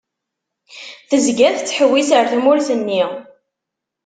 Tezga tettḥewwis ar tmurt-nni.